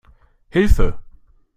Hilfe!